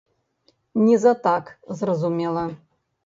Не за так, зразумела.